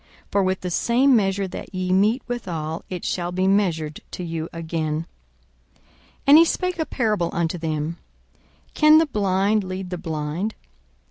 For with the same measure that ye mete withal it shall be measured to you again. 42:006:039 And he spake a parable unto them, Can the blind lead the blind?